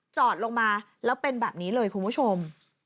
จอดลงมาแล้วเป็นแบบนี้เลยคุณผู้ชม